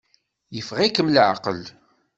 Yeffeɣ-iken leɛqel.